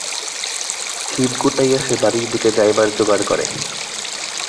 ছিপ গুটাইয়া সে বাড়ির দিকে যাইবার জোগাড় করে।